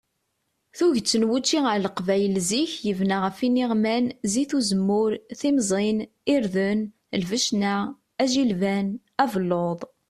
Tuget n wučči ar leqbayel zik yebna ɣef iniɣman, zit uzemmur, timẓin, irden, lbecna, ajilban, abelluḍ.